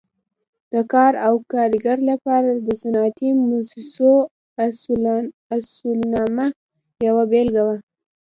د کار او کارګر لپاره د صنعتي مؤسسو اصولنامه یوه بېلګه وه.